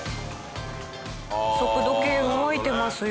速度計動いてますよ。